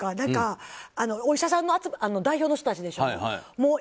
お医者さんの代表の人たちでしょ。